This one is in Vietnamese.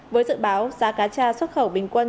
với dự báo giá cá tra xuất khẩu bình quân